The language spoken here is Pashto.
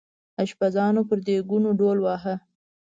اشپزانو پر دیګونو ډول واهه.